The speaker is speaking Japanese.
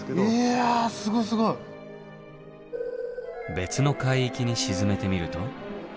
別の海域に沈めてみると。